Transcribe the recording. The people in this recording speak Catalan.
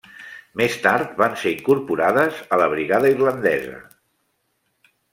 Més tard van ser incorporades a la Brigada Irlandesa.